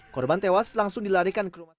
korban tewas langsung dilarikan ke rumah sakit